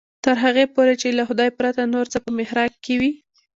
تر هغې پورې چې له خدای پرته نور څه په محراق کې وي.